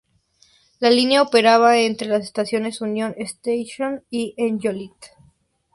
La línea opera entre las estaciones Union Station y en Joliet.